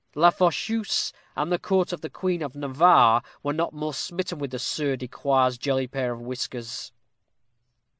La Fosseuse and the court of the Queen of Navarre were not more smitten with the Sieur de Croix's jolly pair of whiskers.